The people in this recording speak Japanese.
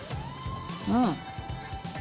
うん。